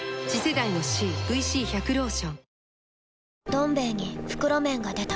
「どん兵衛」に袋麺が出た